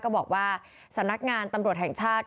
บอกว่าสำนักงานตำรวจแห่งชาติ